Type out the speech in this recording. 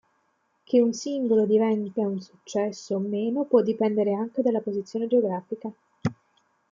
Che un singolo divenga un successo o meno può dipendere anche dalla posizione geografica.